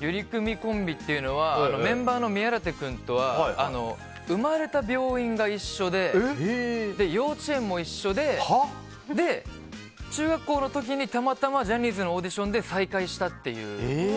ゆり組コンビっていうのはメンバーの宮舘君とは生まれた病院が一緒で幼稚園も一緒で中学校の時にたまたまジャニーズのオーディションで再会したっていう。